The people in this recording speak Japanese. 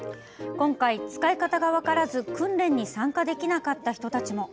今回、使い方が分からず訓練に参加できなかった人たちも。